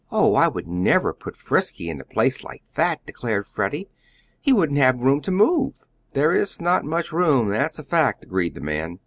"Oh, I would never put Frisky in a place like that," declared Freddie; "he wouldn't have room to move." "There is not much room, that's a fact," agreed the man.